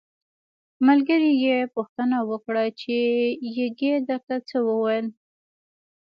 ملګري یې پوښتنه وکړه چې یږې درته څه وویل.